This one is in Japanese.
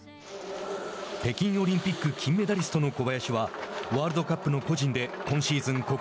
北京オリンピック金メダリストの小林はワールドカップの個人で今シーズン